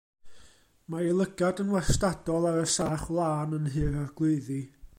Mae ei lygad yn wastadol ar y sach wlân yn Nhŷ'r Arglwyddi.